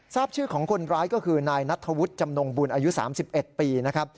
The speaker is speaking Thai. ทราบชื่อของคนร้ายก็คือนายนัทธวุฒิจำนงบุญอายุ๓๑ปีนะครับ